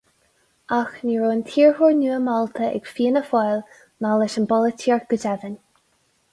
Ach ní raibh an t-iarrthóir nua meallta ag Fianna Fáil, ná leis an bpolaitíocht go deimhin.